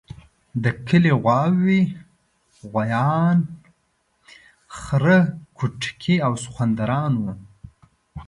د کلي غواوې، غوایان، خره کوټکي او سخوندران وو.